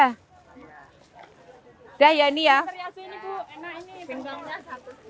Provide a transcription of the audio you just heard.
di da kaiken ya progressed bu enak